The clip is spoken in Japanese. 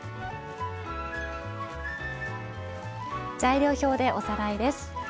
材料表でおさらいです。